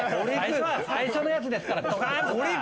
最初のやつですから。